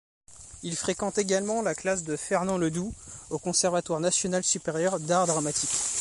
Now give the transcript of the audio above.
Il fréquente également la classe de Fernand Ledoux au Conservatoire national supérieur d'art dramatique.